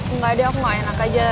enggak deh aku gak enak aja